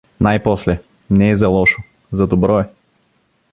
Най-после, не е за лошо, за добро е.